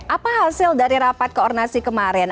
apa hasil dari rapat koordinasi kemarin